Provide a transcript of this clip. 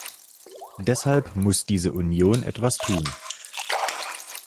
Deshalb muss diese Union etwas tun.